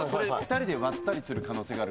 ２人で割ったりする可能性が。